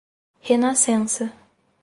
Renascença